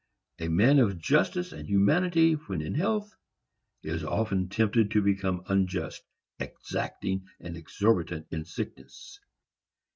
A man of justice and humanity when in health, is often tempted to become unjust, exacting and exorbitant, in sickness.